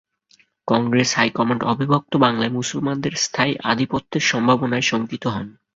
Congress high command অবিভক্ত বাংলায় মুসলমানদের স্থায়ী আধিপত্যের সম্ভাবনায় শঙ্কিত হন।